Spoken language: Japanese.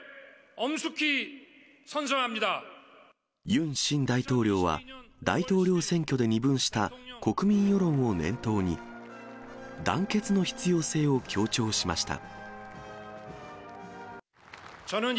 ユン新大統領は、大統領選挙で二分した国民世論を念頭に、団結の必要性を強調しました。